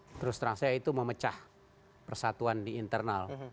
terus terang saya itu memecah persatuan di internal